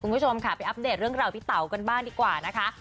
คุณผู้ชมค่ะไปอัปเดตเรื่องราวพี่เต๋ากันบ้างดีกว่านะคะ